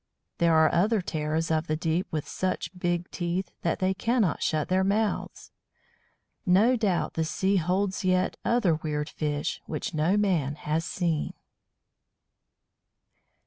There are other terrors of the deep with such big teeth that they cannot shut their mouths. No doubt the sea holds yet other weird fish which no man has seen.